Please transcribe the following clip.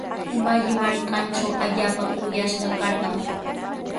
Malli markantraw allaapa kuyashqa karqan.